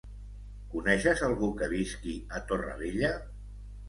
Coneixes algú que visqui a Torrevella?